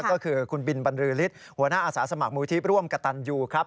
ก็คือคุณบินบรรลือฤทธิ์หัวหน้าอาสาสมัครมูลที่ร่วมกระตันยูครับ